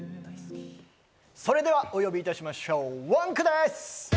それではお呼びいたしましょう、ＷＯＮＫです！